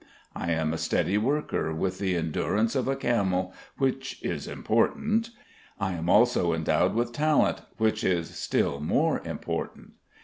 I am a steady worker, with the endurance of a camel, which is important. I am also endowed with talent, which is still more important.